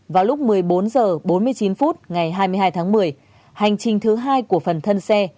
vào lúc một mươi bốn h bốn mươi chín phút ngày hai mươi hai tháng một mươi hành trình thứ hai của phần thân xe